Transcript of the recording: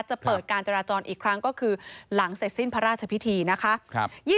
เปิดการจราจรอีกครั้งก็คือหลังเสร็จสิ้นพระราชพิธีนะคะ